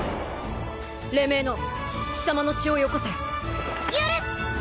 黎明の貴様の血をよこせ許す！